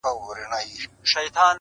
زموږ به کله د عمرونو رنځ دوا سي؛